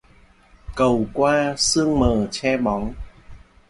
Cầu qua sương mờ che bóng